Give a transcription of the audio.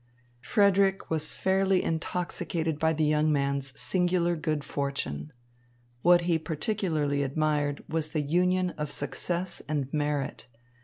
Frederick was fairly intoxicated by the young man's singular good fortune. What he particularly admired was the union of success and merit.